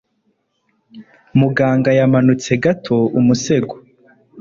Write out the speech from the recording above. Muganga yamanutse gato umusego